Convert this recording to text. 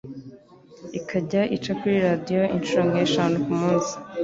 ikajya ica kuri radio inshuro nk'eshanu k'umunsi